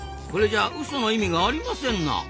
これじゃあウソの意味がありませんな。